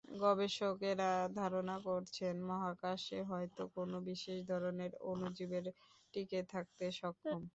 গবেষকেরা ধারণা করছেন, মহাকাশে হয়তো কোনো বিশেষ ধরনের অণুজীবের টিকে থাকতে সক্ষম।